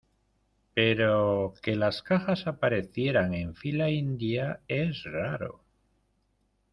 pero que las cajas aparecieran en fila india es raro.